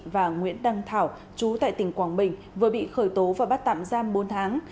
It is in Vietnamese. và nguyễn đăng thảo chú tại tỉnh quảng bình vừa bị khởi tố và bắt tạm giam bốn tháng